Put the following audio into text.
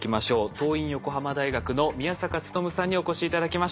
桐蔭横浜大学の宮坂力さんにお越し頂きました。